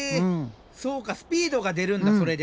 そうかスピードが出るんだそれで。